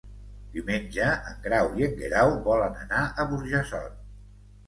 Diumenge en Grau i en Guerau volen anar a Burjassot.